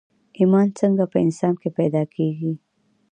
ايمان څنګه په انسان کې پيدا کېږي